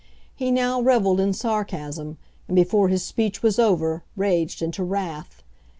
He now revelled in sarcasm, and before his speech was over raged into wrath.